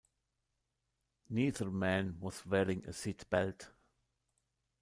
Neither man was wearing a seat belt.